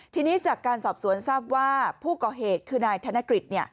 ทีนี้จากการสอบสวนทราบว่าผู้ก่อเหตุคือนายธนกฤษ